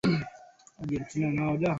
iringa ina mtaji mkubwa wa kitalii